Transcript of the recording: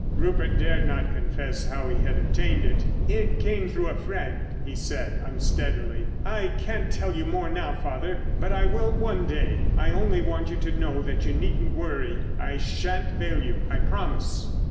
Rupert dared not confess how he had obtained it. "It came through a friend," he said unsteadily. "I can't tell you more now, father, but I will one day. I only want you to know that you needn't worry. I shan't fail you. I promise."